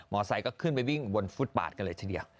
มอเซ้าก็ขึ้นไปวิ่งบนฟุตบาทกันเลยเฉย